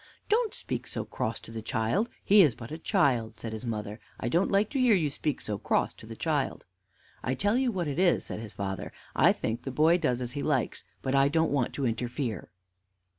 "Don't speak so cross to the child: he is but a child," said his mother. "I don't like to hear you speak so cross to the child." "I tell you what it is," said his father, "I think the boy does as he likes. But I don't want to interfere."